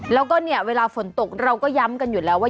แล้วก็เนี่ยเวลาฝนตกเราก็ย้ำกันอยู่แล้วว่า